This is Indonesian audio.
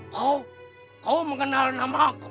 kau kau mengenal namaku